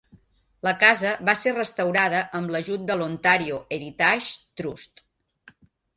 La casa va ser restaurada amb l'ajut de l'Ontario Heritage Trust.